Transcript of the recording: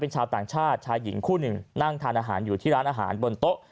ชาวต่างชาติชายหญิงคู่หนึ่งนั่งทานอาหารอยู่ที่ร้านอาหารบนโต๊ะ